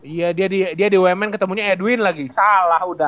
iya dia di wmn ketemunya edwin lagi salah udah